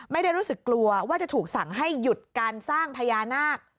ไม่ได้รู้สึกกลัวว่าจะถูกสั่งให้หยุดการสร้างพญานาค